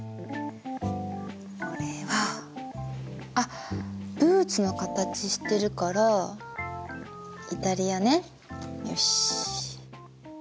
これはあっブーツの形してるからイタリアねよし。